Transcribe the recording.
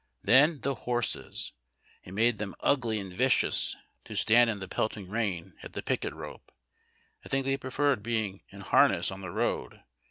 Then, the horses I It made them ugly and vicious to stand in the pelting rain at the picket rope. I think they preferred being in harness on the road.